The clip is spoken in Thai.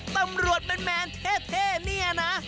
ตำรวจแมนเท่เนี่ยนะ